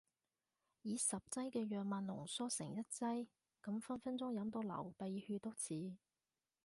以十劑嘅藥物濃縮成一劑？咁分分鐘飲到流鼻血都似